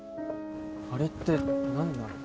あれって何なの？